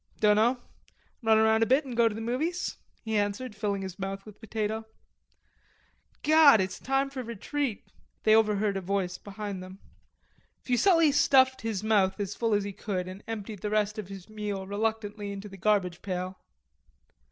"Dunno, run round a bit an' go to the movies," he answered, filling his mouth with potato. "Gawd, it's time fer retreat." They overheard a voice behind them. Fuselli stuffed his mouth as full as he could and emptied the rest of his meal reluctantly into the garbage pail.